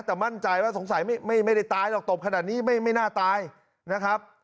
แต่มั่นใจว่าสงสัยไม่ได้ตายหรอกตบขนาดนี้ไม่น่าตายนะครับ